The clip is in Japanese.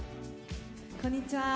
こんにちは。